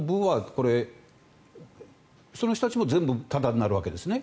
これ、その人たちも全部タダになるわけですね？